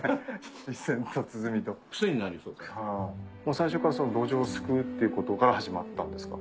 最初からどじょうをすくうっていうことから始まったんですか？